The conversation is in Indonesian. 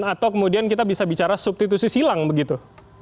atau kemudian kita bisa bicara substitusi silang begitu